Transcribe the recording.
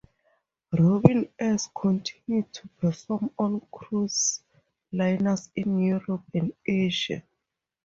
Robin S. continued to perform on cruise liners in Europe and Asia.